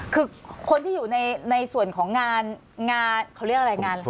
คือคนที่อยู่ในส่วนของงานงานเขาเรียกอะไรงาน